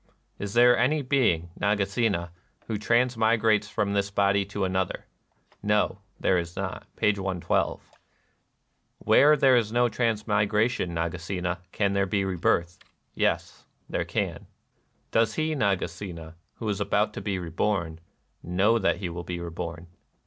"]" Is there any being, Nagasena, who transmi grates from this body to another ?"" No : there is not." (p. 112.) NIRVANA 215 " Where there is no transmigration, Nagasena, can there be rebirth ?"" Yes : there can." " Does he, Nagasena, who is about to be reborn, know that he will be reborn